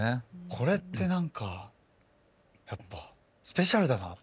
これって何かやっぱスペシャルだな。